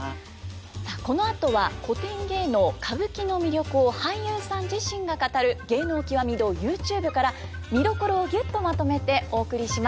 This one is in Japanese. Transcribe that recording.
さあこのあとは古典芸能歌舞伎の魅力を俳優さん自身が語る「芸能きわみ堂ＹｏｕＴｕｂｅ」から見どころをギュッとまとめてお送りします。